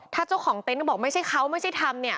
ถ้าเจ้าของเต็นต์บอกไม่ใช่เขาไม่ใช่ทำเนี่ย